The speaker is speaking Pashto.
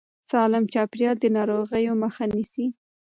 سالم چاپېريال د ناروغیو مخه نیسي.